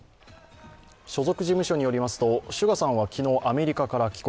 所属事務所によりますとＳＵＧＡさんは昨日アメリカから帰国。